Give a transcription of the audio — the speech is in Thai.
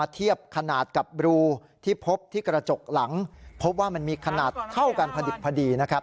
เทียบขนาดกับรูที่พบที่กระจกหลังพบว่ามันมีขนาดเท่ากันพอดิบพอดีนะครับ